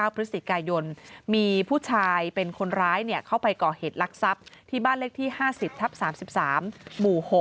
พฤศจิกายนมีผู้ชายเป็นคนร้ายเข้าไปก่อเหตุลักษัพที่บ้านเลขที่๕๐ทับ๓๓หมู่๖